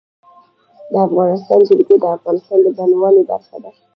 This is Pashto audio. د افغانستان جلکو د افغانستان د بڼوالۍ برخه ده.